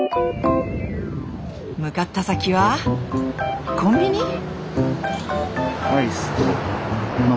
向かった先はコンビニ？